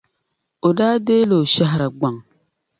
O daa deei la o shɛhira gbaŋ .